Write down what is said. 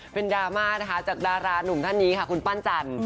เป็นดราม่านะคะจากดารานุ่มท่านนี้ค่ะคุณปั้นจันทร์